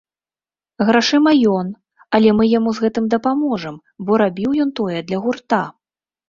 Грашыма ён, але мы яму з гэтым дапаможам, бо рабіў ён тое для гурта.